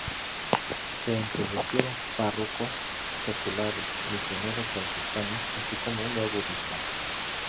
Se introdujeron párrocos seculares, Misioneros Franciscanos, así como un nuevo obispo.